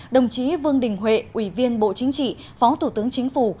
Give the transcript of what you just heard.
đồng chí vương đình huệ ủy viên bộ chính trị phó thủ tướng chính phủ